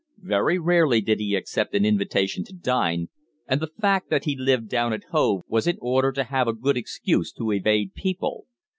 Very rarely did he accept an invitation to dine, and the fact that he lived down at Hove was in order to have a good excuse to evade people.